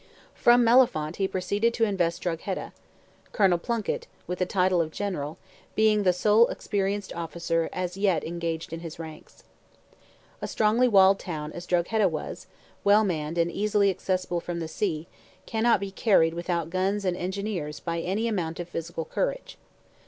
From Mellifont he proceeded to invest Drogheda; Colonel Plunkett, with the title of General, being the sole experienced officer as yet engaged in his ranks. A strongly walled town as Drogheda was, well manned, and easily accessible from the sea, cannot be carried without guns and engineers by any amount of physical courage.